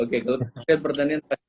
oke kalau penyediaan beras